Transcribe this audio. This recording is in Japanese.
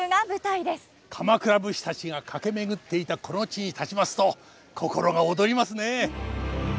鎌倉武士たちが駆け巡っていたこの地に立ちますと心が躍りますね。